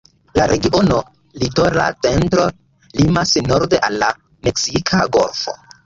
La regiono "Litoral Centro" limas norde al la Meksika Golfo.